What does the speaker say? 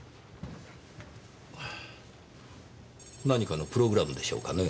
何かのプログラムでしょうかねぇ。